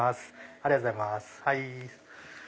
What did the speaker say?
ありがとうございます。